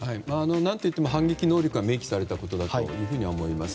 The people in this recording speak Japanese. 何といっても反撃能力が明記されたことだと思います。